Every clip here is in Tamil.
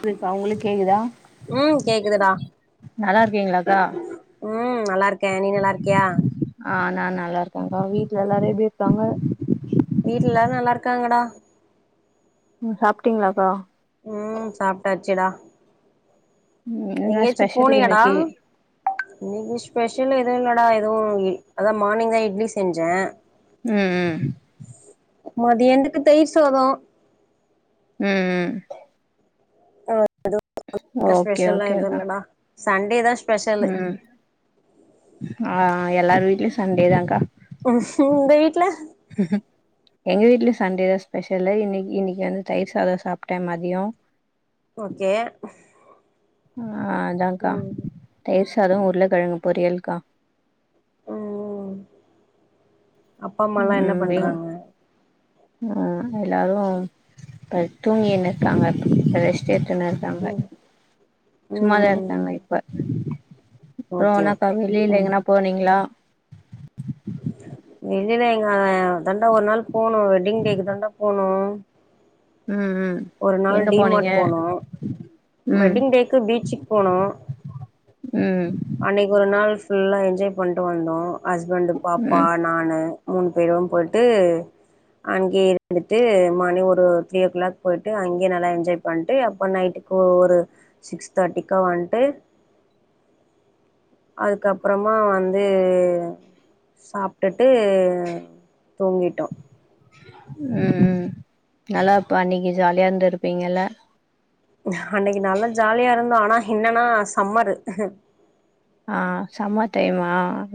கேக்குதுக்கா உங்களுக்கு கேக்குதா ம் கேக்குதுடா நல்லா இருக்கீங்ளாக்கா ம் நல்லாருக்கே நீ நல்லாருக்கியா ஆ நா நல்லா இருக்கங்க்கா வீட்ல எல்லாரு எப்டி இருக்காங்க வீட்ல எல்லாரு நல்லா இருக்காங்கடா ம் சாப்ட்டீங்ளாக்கா ம் சாப்ட்டாச்சுடா ம் என்ன எங்கியாச்சு ஸ்பெஷல் போனியடா இன்னைக்கு இன்னைக்கு ஸ்பெஷல் எது இல்லடா எதுவு அதா மார்னிங் தா இட்லி செஞ்சே ம் ம் மத்தியானத்துக்கு தயிர் சாதோ ம் ம் அது [inaudible] ஓகே ஸ்பெஷல்லா எது ஓகேக்கா இல்லடா சண்டே தா ஸ்பெஷலு ம் ஆ எல்லாரு வீட்லியு சண்டேதாங்க்கா ம் உங்க வீட்ல எங்க வீட்லியு சண்டே தா ஸ்பெஷலு இன்னக்கி இன்னக்கி வந்து தயிர் சாதோ சாப்ட்டே மதியோ ஓகே ஆ அதாங்க்கா ம் தயிர் சாதோ உருளக்கெழங்கு பொரியல்க்கா ம் அப்பா அம்மாலா என்ன ம் விங் பண்றாங்க அ எல்லாரு பட்த் தூங்கின்னு இருக்கறாங்க ரெஸ்ட் எத்துண்ணு க்காங்க ம் சும்மாதா ம் இருக்காங்க இப்ப அப்றோ ஓகே என்னக்கா ஓகே வெளில ம் எங்கனா போனீங்ளா வெளில எங்க அதாண்டா ஒரு நாள் போனோ வெட்டிங் டேக்கு தாண்டா போணு ம் ம் ஒரு நாள் எங்க டி போனீங்க மார்ட் போனோ ம் வெட்டிங் டேக்கு பீச்சுக் போனோ ம் அன்னைக்கு ஒரு நாள் ஃபுல்லா என்ஜாய் பண்ட்டு வந்தோ ஹஸ்பண்ட்டு பாப்பா ம் நானு மூணு பேரு போயிட்டு அங்கேயே இருந்துட்டு மார்னிங் ஒரு த்ரீ ஓ க்ளாக் போயிட்டு அங்கேயே நல்லா என்ஜாய் பண்ட்டு அப்ப நைட்டுக்கு ஒரு சிக்ஸ் தேட்டிக்கு வந்ட்டு அதுக்கப்றமா வந்து சாப்டுட்டு தூங்கிட்டோ ம் நல்லா அப்பன்னைக்கு ஜாலியா இருந்து இருப்பீங்கல்ல அன்னைக்கு நல்லா ஜாலியா இருந்தோ ஆனா என்னன்னா சம்மரு ஆ சம்மர் டைம்மா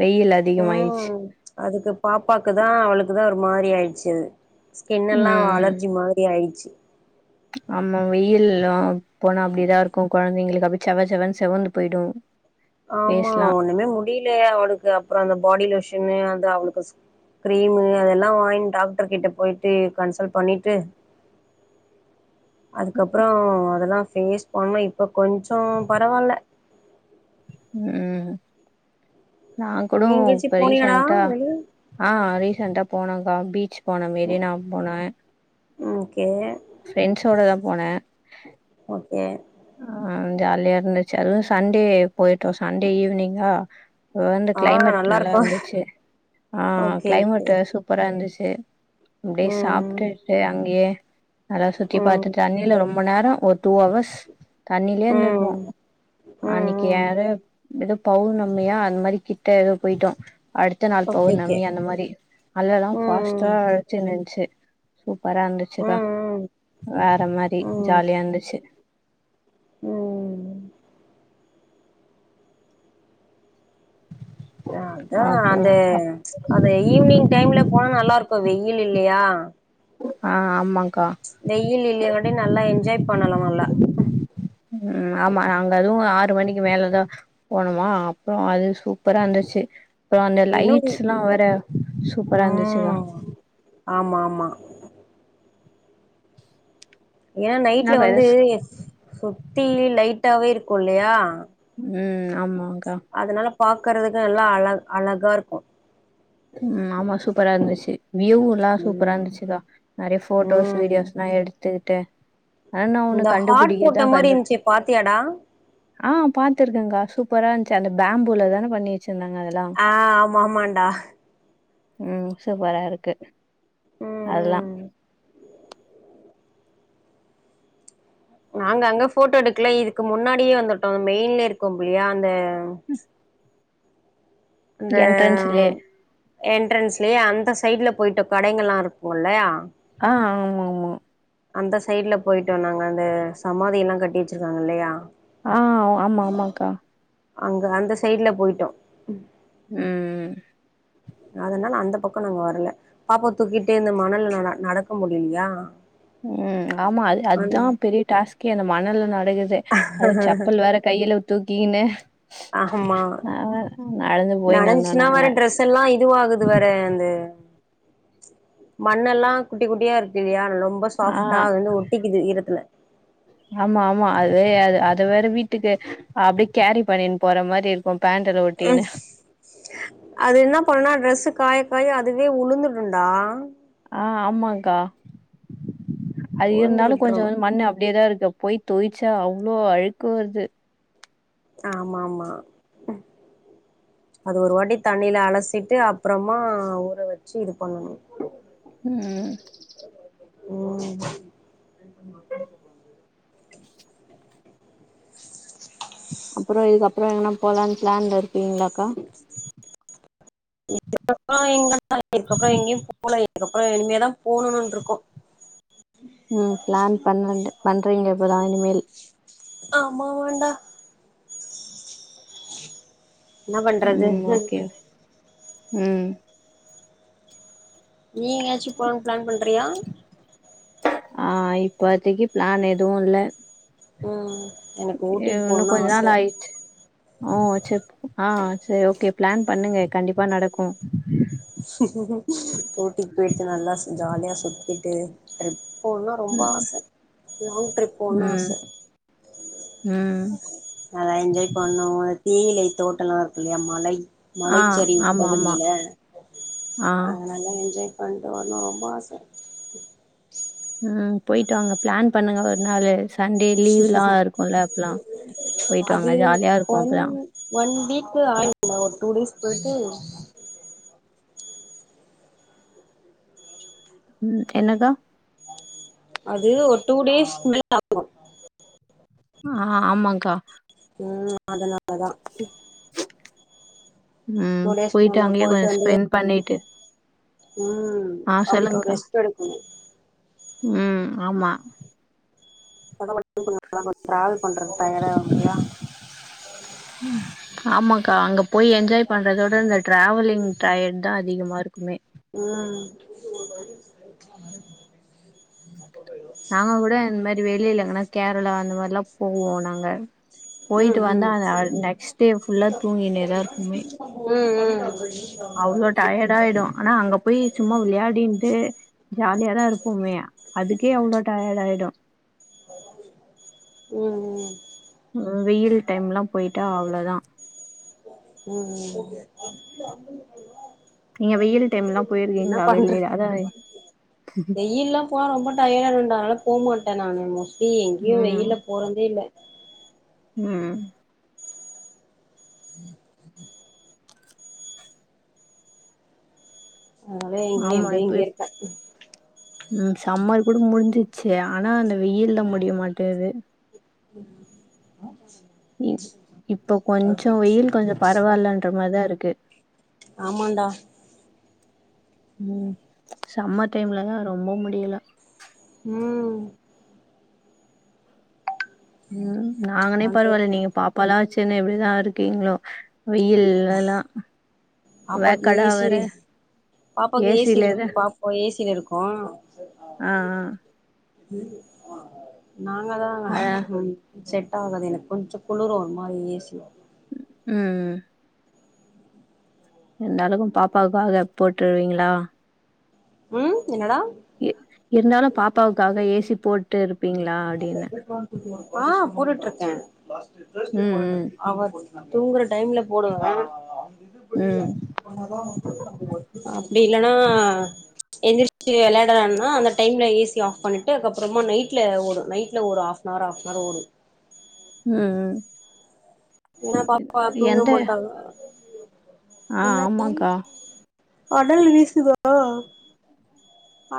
வெயில் அதிகமாயிர்ச்சு ம் அதுக்கு பாப்பாக்கு தா அவுளுக்கு தா ஒரு மாரி ஆயிச்சு ஸ்கின்னெலா ம் ம் அலர்ஜி மா ரி ஆயிச்சு ஆமா வெயில்ல போனா அப்படிதா இருக்கு கொழந்தைங்களுக்கு அப்டி செவ செவன்னு செவந்து போயிடு ஆமா ஃபேஸ்லா ஒண்ணுமே முடிலியா அவுளுக்கு அப்றோ அந்த பாடி லோஷன்னு அது அவ்ளுக்கு சு கிரீமு அதெல்லா வாங்கி டாக்ட்ரு கிட்ட போயிட்டு கன்சல் பண்ணிட்டு அதுக்கப்றோ அதெல்லா பேஸ் பண்ணு இப்ப கொஞ்சோ பரவால்ல ம் நா கூட நீ எங்கயாச்சு இப்ப போனியாடா ரீசண்டா வெளிய ஆ ரீசெண்டா போனோங்க்கா பீச் போனே மேரி நா போன ஓகே ஃப்ரெண்ட்ஸோட தா போன ஓகே ஆ ஜாலியா இருந்துச்சு அதுவு சண்டே போயிட்டோ சண்டே ஈவ்னிங்கா இப்ப வந்து ஆ கிளைமேட் நல்லா இருக்கு இருந்துச்சு ஆ ஓகே ஓகே கிளைமேட்டு சூப் ப்பரா இருந்துச்சு அப்டியே ம் சாப்டுட்டு அங்கயே நல்லா சுத்தி ம் பாத்துத்தட்டு அணில ரொம்ப நேரோ ஒரு டூ அவர்ஸ் தண்ணிலயே ம் இருந்துருப்போ ம் அன்னிக்கு ம் ஏற ஏதோ பவுர்நமியா அந்த மாரி கிட்ட ஏதோ போய்ட்டோ அடுத் த்த நாள் ஓகே ஓகே பௌர்ணமி அந்த மாரி அதல்லெல்லா ம் ஃபாஸ்ட்டா வெச்சுருந்துச்சு சூப்பரா இருந்து ச்சுப்பா ம் வேற மாரி ம் ஜாலியா இருந்துச்சு ம் அ அதா அப்றோ அந்த அப் அது ஈவ்னிங் டைம்ல போனா நல்லாருக்கு வெயில் இல்லையா ஆ ஆமாங்க்கா வெயில் இல்லையங்கட்டி நல்லா என்ஜாய் பண்ணலா நல்லா ம் ஆமா நாங்க அதுவு ஆறு மணிக்கு மேலதா போனோமா அப்போ அது சூப்பரா இருந்துச்சு அப்றோ அந்த இன்னு லைட்ஸ்ல்லா வேற சூப்பரா இருந்துச்சுக்கா ம் ஆமா ஆமா ஏன்னா என்ன நைட்ல வந்து வைரஸ் சுத்தி லைட்டாவே இருக்கு இல்லயா ம் ஆமாங்க்கா அதனால பாக்கறதுக்கு நல்லா அழ அழகாக இருக்கு ம் ஆமா சூப்பரா இருந்துச்சு வியு ல்லா சூப்பரா ம் இருந்துச்சுகா நெறைய போட்டோஸ் ம் வீடியோஸ் எல்லா எடுத்துட்டு ஆனா ஒன்னு இந்த ஹாட் போட்ட கண்டுபுடிகர்தா மாரி கொஞ்சோ இருந்துச்சு பாத்தியாடா ஆ பாத்துருக்கங்க்கா சூப்பரா இருந்ச்சு அந்த பேம்புல தான பண்ணி வெச்சுருந்தாங்க அதெல்லா ஆ ஆமா ஆமாண்டா ம் சூப்பரா இருக்கு ம் அதல்லா ம் நாங்க அங்க போட்டோ எடுக்கல இதுக்கு முன்னாடியே வந்துட்டோ அ மெயின்ல இருக்கோம்லயா அந்த அந்த என்ட்ரன்ஸ்லயே என்ட்ரன்ஸ்லயே அந்த சைடுல போயிட்டோ கடைங்கள்ளா இருக்குல்லயா ஆ ஆமா ஆமா அந்த சைடுல போய்ட்டோ நாங்க அந்த சமாதியெல்லா கட்டி வெச்சிருந்தாங்க இல்லயா ஆ ஆமா ஆமாக்கா அங்க அந்த சைடுல போய்ட்டோ ம் அதனால அந்த பக்கோ நாங்க வரல பாப்பா தூக்கிட்டே இந்த மணல்ல நட நடக்க முடிலியா ம் ஆமா அது அத்தா பெரிய டாஸ்கே அந்த மண்ணல நடக்கரதே அது செப்பல் வேற கையில தூக்கிகினு ஆமா நடந்து போயின்னு வந்தோ நாங்க இதெல்லா இதுவகுது வேற அந்த மண்ணெல்லா குட்டி குட்டியா இருக்குல்லயா ரொம்ப ஆ சாஃப்ட்டா அது வந்து ஒட்டிக்குது ஈரத்துல ஆமா ஆமா அதுவே அது அது வேற வீட்டுக்கு அப்டியே கேரி பன்னின் போற மாரி இருக்கு பேண்ட்டல ஒட்டின்னு ம் அது என்ன பண்ணுனா ட்ரெஸ்ஸு காயக்காய அதுவே உளுந்துடுண்டா ஆ ஆமாக்கா அது உளுந்து இருந்தாலு விட்ரு கொஞ்சோ வந்து மண்ணு அப்டே தா இருக்கு போய் தொயிச்சா அவ்ளோ அழுக்கு வருது ஆமாம்மா அது ஒரு வாட்டி தண்ணீல அலசிட்டு அப்பறமா ஊற வச்சு இது பண்ணணு ம் ம் அப்பறோ இதுக்கப்பறோ எங்கன்னா போலான் பிளான்ல இருக்கீங்களாக்கா [inaudible] எங்க பா இருக்கப்பறோ எங்கயூ போல இதுக்கப்பறோ இனிமே தா போணுனுன்ருக்கோ ம் பிளான் பண்ணண்டு பண்றீங்க இப்பதா இனிமேல் ஆமாவாண்டா என்னா பண்றது ம். ஓகே. ம் நீ எங்கயாச்சு போலான் பிளான் பண்றயா ஆ இப்பாத்தைக்கு பிளான் எதுவு இல்ல ம் எ இன்னு கொஞ்ச நாள் ஆயிருச்சு ஓ சேர் ஆ சேர் ஓகே பிளான் பண்ணுங்க கண்டிப்பா நடக்கு ஊட்டிக்கு போயிட்டு நல்லா ஜாலியா சுத்திட்டு ட்ரிப் போணுன்னா ரொம்ப ம் ஆச லாங் ட்ரிப் போணு ஆச ம் ம் ஆ என்ஜாய் பண்ணோ தேயிலை தோட்டல்லா இருக்குல்லயா மலை ஆ மலைச்சரிவு ஆமா ஆமா பகுதியில ஆ அ நல்லா என்ஜாய் பண்ட்டு வரனு ரொம்ப ஆச ஆ போயிட்டு வாங்க பிளான் பண்ணுங்க ஒரு நாளு சண்டே லீவ்வுலா இருக்குல்ல அப்பலா போய்ட்டு வாங்க அது ஜாலியா இருக்கு ஒன் அப்பதா ஒன் வீக்கு ஆ [inaudible] ஒரு டூ டேஸ் போயிட்டு ம் என்னடா அது ஒரு டூ டேஸ் மேல ஆகு ஆ ஆமாக்கா ம் அதனாலதா டூ ம் டேஸ் போயிட்டு மேல அங்கயே கொஞ்ச வந்து ஸ்பெண்ட் பண்ணீட்டு ம் அப்பறோ சொல்லுங்க்கா ரெஸ்ட் எடுக்கணு ம் ஆமா [unintelligible] டிராவல் பண்றது டயடாகு இல்லயா ம் ஆமாக்கா அங்க போய் என்ஜாய் பண்றதோட இந்த ட்ராவலிங் டயர்ட் தா அதிகமா இருக்குமே ம் நாங்க கூட இந்த மாரி வெளில எங்கன்னா கேரளா அந்த மாரிலா போவோ நாங்க ம் போயிட்டு வந்தா ம் அ நெக்ஸ்ட்டே ஃபுல்லா தூங்கின்னே தா இருப்போமே ம் ம் அவ்வளோ டயர்டாயிடு அனா அங்க போய் சும்மா விளையாடின்ட்டு ஜாலியாதா இருப்போமே அதுக்கே அவ்ளோ டயர்டாயிடு ம் ம் ம் வெயில் டைம்லா போயிட்டா அவ்ளோதா ம் நீங்க வெயில் டைம்லா என்ன போயிருக்கீங்களா பண்றது வெளில அதா போறப்போ டயர்டா ஆயிருவேன்டா அதனால போ மாட்டே நானு மோஸ்ட்லி எங்கேயு ம் வெயில போறன்தே இல்ல ம் ஆ அதா ஆமா இப்போ இ ம் சம்மர் கூட முடிஞ்சிச்சு ஆனா அந்த வெயில்தா முடிய மாட்டேது [inaudible] இ இப்ப கொஞ்ச வெயில் கொஞ்ச பரவாயில்லன்ற மாரிதா இருக்கு ஆமான்டா ம் சம்மர் டைம்லதா ரொம்ப முடியல ம் ம் நாங்கனே பரவாயில்ல நீங்க பாப்ப எல்லா வெச்சுன்னு எப்டிதா இருக்கீங்களோ வெயில்லலா வாய்கடா வேற பாப்பாக்கு ஏ சி ஏசி இருக்கு லதா பாப்பா ஏசியில இருக்கு ஆ ஆ ம் நாங்கதா அதா செட் ஆகாது எனக்கு கொஞ்ச குளிரு ஒரு மாரி ஏசி ம் இருந்தாளுக்கு பாப்பாவுக்காக போட்ருவீங்களா ம் என்னடா இ இருந்தாலு பாப்பாவுக்காக ஏசி போட்டு இருப்பீங்களா அப்டின்னு ஆ போட்டு இருக்கே ம் ம் அவ தூங்குற டைம்ல பேடுவா ம் அப்டி இல்லன்னா எந்திரிச்சு வெளையாடறானா அந்த டைம்ல ஏசி ஆஃப் பண்ணிட்டு அதுப்புறமா நைட் ட்ல ஓடு நைட்ல ஒரு half an hour half an hour ஓடு அ ஏன்னா பாப்பா தூங்க எந்த மாட்டாக ஆ என்ன டி ஆமாக்கா அனல் வீசுதா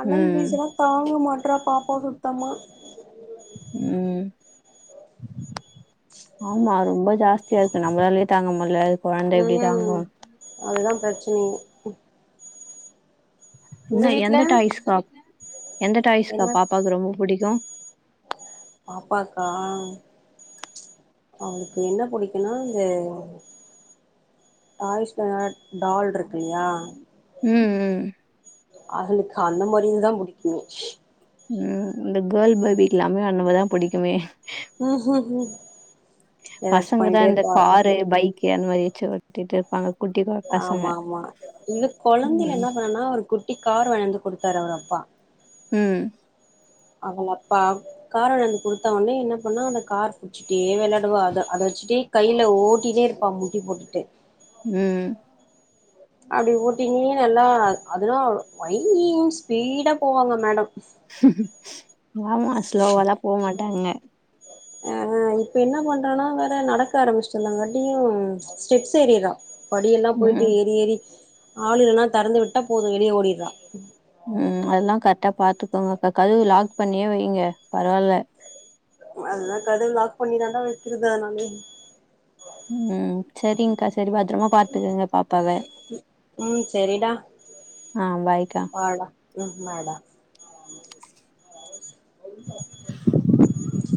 அனல் ம் வீசுனா தாங்கு மாட்றா பாப்பா சுத்தமா ம் ஆமா ரொம்ப ஜாஸ் தியா இருக்கு நம்மளாளே தாங்க முடில கொழந்த எப்டி தாங்கு ம் அதுதா பிரச்சனையே உங்க என்ன வீட்ல எந்த டாய்ஸ்கா எந்த டாய்ஸ்கா என்ன பாப்பாக்கு ரொம்ப பிடிக்கு பாப்பாக்கா அவளுக்கு என்ன பிடிக்குனா இந்த டாய்ஸ்லனா டால் இருக்குல்லயா ம் ம் அவளுக்கு அந்த மாரிந்தா புடிக்கு ம் இந்த கேள் பேபிக்கு எல்லாமே அந்த மாரிதா பிடிக்குமே ம் கு பசங்க தா இந்த காரு பைக்கு அந்த மாரி வெச்சு ஒட்டிட்டு இருப்பாங்க குட்டி ப ஆமா ஆமா இந்த கொழந்தையில ம் என்ன பண்ணானா ஒரு குட்டி கார் வந்து கொடுத்தாரு அவர் அப்பா ம் அவங்க அப்பா கார வாங்கி கொடுத்த ஒடனே என்ன பண்ணா அந்த கார் புச்சுட்டே வெளையாடுவா அத அத வச்சுட்டே கையில ஓட்டிட்டே இருப்பாரு முட்டி போட்டுட்டு ம் அப்டி ஊட்டினே நல்லா அததுல்லா ஸ்வைங்னு ஸ்பீடா போவாங்க மேடம் ஆமா ஸ்லோவாலா போக மாட்டாங்க அ இப்ப என்ன பண்ணுறேன்னா வேறு நடக்க ஆரம்பிச்சட்டுருந்தாங் காட்டியு ஸ்டெப்ஸ் ஏறிறா படியெல்லா போயிட்டு ம் ஏறி ஏறி ஆளுல்லனா தெறந்து விட்டா போது வெளிய ஓடிட்றா ம் அதெல்லா கரெக்டா பாத்துக்கோங்க அக்கா கதவு லாக் பண்ணியே வைங்க பரவால்ல அதுதா கடவு லாக் பண்ணி தாண்டா வைச்சுறுக்குறே நானு ம் சேரிங்க்கா சேரி பத்திரமா பாத்துக்கங்க பாப்பாவ ம் சேரிடா ஆ பாய்க்கா பாய்டா ம் பாய்டா ம் பாய்டா ம்